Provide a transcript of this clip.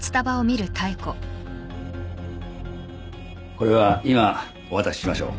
これは今お渡ししましょう。